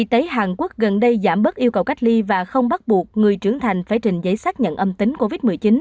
y tế hàn quốc gần đây giảm bớt yêu cầu cách ly và không bắt buộc người trưởng thành phải trình giấy xác nhận âm tính covid một mươi chín